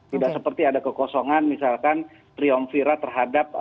tidak seperti ada kekosongan misalkan triomfira terhadap